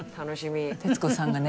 徹子さんがね